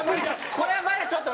これはまだちょっと難しい。